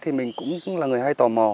thì mình cũng là người hay tò mò